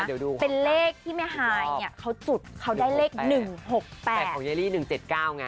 เดี๋ยวดูเป็นเลขที่แม่ฮายเนี้ยเขาจุดเขาได้เลขหนึ่งหกแปดแต่ของเยรี่หนึ่งเจ็ดเก้าไง